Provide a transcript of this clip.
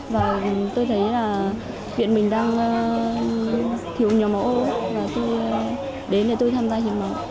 và tôi thấy là viện mình đang thiếu nhóm máu ô và tôi đến để tôi tham gia hiến máu